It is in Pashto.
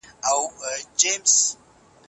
په لاس لیکلنه د دننه غږونو اوریدل دي.